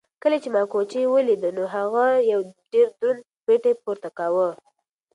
کله چې ما کوچۍ ولیده نو هغې یو ډېر دروند پېټی پورته کاوه.